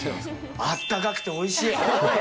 あったかくて、おいしい。